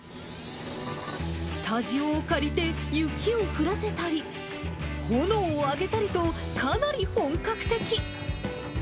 スタジオを借りて、雪を降らせたり、炎を上げたりと、かなり本格的。